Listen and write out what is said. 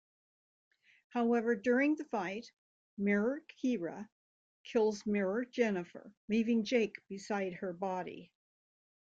However, during the fight, mirror Kira kills mirror Jennifer, leaving Jake beside her body.